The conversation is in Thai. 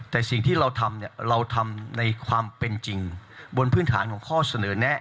แต่สิ่งที่เราทำเนี่ยเราทำในความเป็นจริงบนพื้นฐานของข้อเสนอแนะ